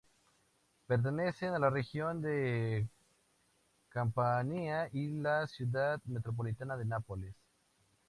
Pertenecen a la región de Campania y a la Ciudad metropolitana de Nápoles.